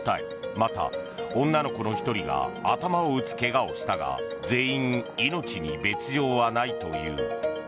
また、女の子の１人が頭を打つ怪我をしたが全員、命に別条はないという。